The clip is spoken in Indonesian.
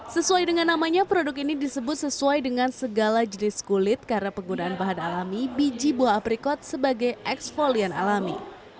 sesuai dengan namanya produk ini disebut sesuai dengan segala jenis kulit karena penggunaan bahan alami biji buah aprikot sebagai eksfolian alami